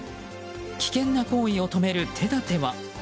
危険な行為を止める手立ては？